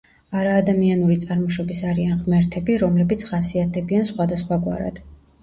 არა ადამიანური წარმოშობის არიან ღმერთები, რომლებიც ხასიათდებიან სხვადასხვაგვარად.